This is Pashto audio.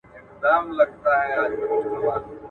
سیروټونین او ډوپامین د خوشحالۍ او الهام لپاره مهم دي.